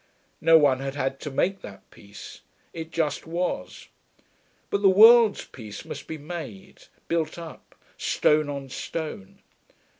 No one had had to make that peace; it just was. But the world's peace must be made, built up, stone on stone.